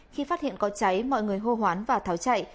khi phát hiện có cháy mọi người hô hoán và tháo chạy